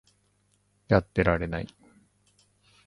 やってられない